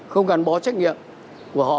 không gắn bó trách nhiệm của họ